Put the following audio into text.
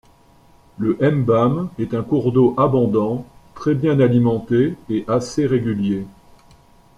Le Mbam est un cours d'eau abondant, très bien alimenté et assez régulier.